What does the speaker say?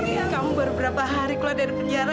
ibu wiwit kamu baru berapa hari keluar dari penjara